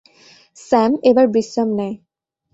Sam এবার বিশ্রাম নেয়।